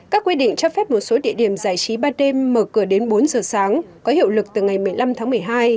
các quy định cho phép một số địa điểm giải trí ba đêm mở cửa đến bốn giờ sáng có hiệu lực từ ngày một mươi năm tháng một mươi hai